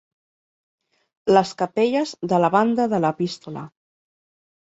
Les capelles de la banda de l'epístola.